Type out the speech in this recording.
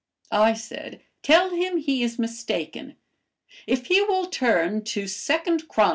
I said, 'Tell him he is mistaken. If he will turn to 2 'Chron.